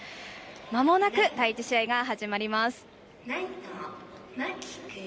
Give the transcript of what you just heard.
まもなく第１試合が始まります。